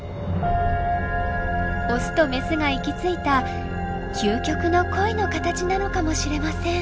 オスとメスが行き着いた究極の恋の形なのかもしれません。